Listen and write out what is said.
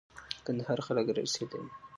کندهار خلک را رسېدلي دي.